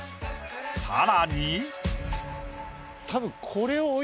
さらに。